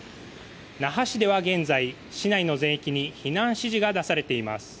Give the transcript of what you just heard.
那覇市では現在市内の全域に避難指示が出されています。